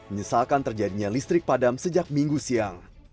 menyesalkan terjadinya listrik padam sejak minggu siang